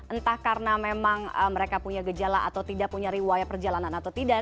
entah karena memang mereka punya gejala atau tidak punya riwayat perjalanan atau tidak